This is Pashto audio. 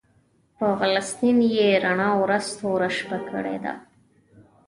په فلسطین یې رڼا ورځ توره شپه کړې ده.